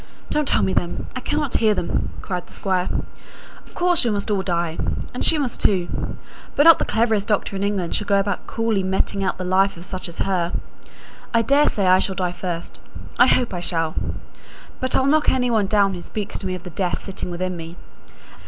"Don't tell me them! I cannot bear them!" cried the Squire. "Of course we must all die; and she must too. But the cleverest doctor in England shan't go about coolly meting out the life of such as her. I daresay I shall die first. I hope I shall. But I'll knock any one down who speaks to me of death sitting within me.